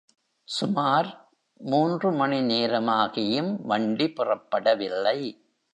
சுமார் மூன்று மணி நேரமாகியும் வண்டி புறப்படவில்லை.